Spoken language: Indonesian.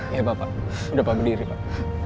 iya bapak udah pak berdiri pak